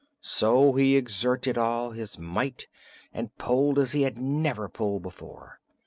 So he exerted all his might and pulled as he had never pulled before.